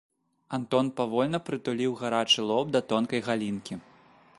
Антон павольна прытуліў гарачы лоб да тонкай галінкі.